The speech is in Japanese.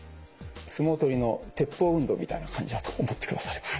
相撲取りの鉄砲運動みたいな感じだと思ってくだされば。